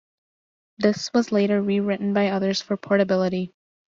This was later re-written by others for portability.